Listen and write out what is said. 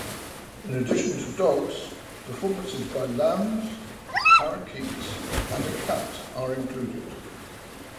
In addition to dogs, performances by lambs, parakeets, and a cat are included.